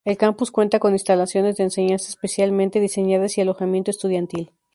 El campus cuenta con instalaciones de enseñanza especialmente diseñadas y alojamiento estudiantil.